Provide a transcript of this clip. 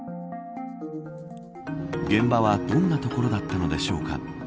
現場はどんな所だったのでしょうか。